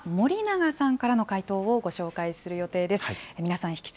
来週は、森永さんからの回答をご紹介する予定です。